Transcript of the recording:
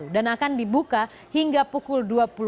dan akan dibuka hingga pukul dua puluh empat